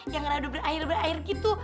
yang rada berair berair gitu